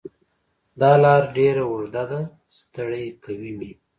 دا لار ډېره اوږده ده ستړی کوی مې